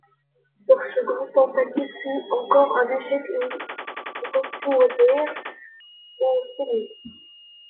Leur seconde tentative fut encore un échec, et ils retournèrent en cellule.